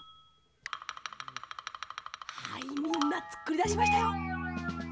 はいみんなつくりだしましたよ！